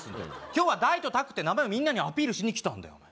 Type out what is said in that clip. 今日は大と拓って名前をみんなにアピールしに来たんだよ